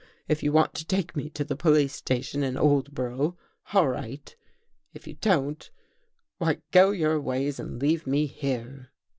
If you want to take me to the police station in Oldborough, all right. If you don't, why go your ways and leave me here."